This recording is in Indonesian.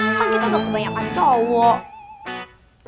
kan kita udah kebanyakan cowok